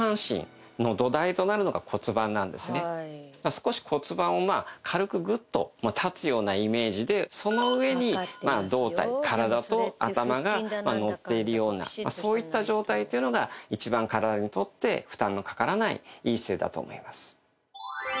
少し骨盤を軽くグッと立つようなイメージでその上に胴体体と頭がのっているようなそういった状態というのが一番体にとって負担のかからないいい姿勢だと思います。